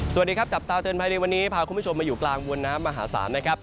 สวัสดีครับจับตาเตือนภัยในวันนี้พาคุณผู้ชมมาอยู่กลางมวลน้ำมหาศาลนะครับ